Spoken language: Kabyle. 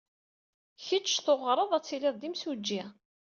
Kečč tuɣred ad tilid d imsujji.